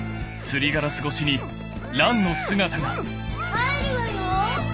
・入るわよ